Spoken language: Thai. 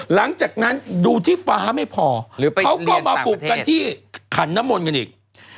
หลังจากนั้นดูที่ฟ้าไม่พอเขาก็มาปลุกกันที่ขันน้ำมนต์กันอีก